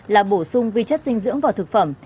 là bổ sung vi chất dinh dưỡng vào thực phẩm